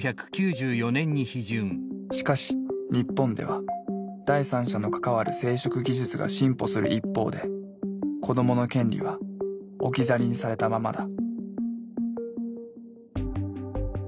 しかし日本では第三者の関わる生殖技術が進歩する一方で子どもの権利は置き去りにされたままだ。